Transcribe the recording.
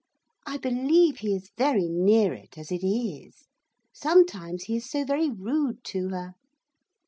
I believe he is very near it as it is, sometimes he is so very rude to her.